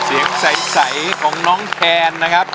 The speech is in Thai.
เสียงใสของน้องแคนนะครับ